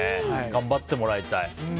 頑張ってもらいたい。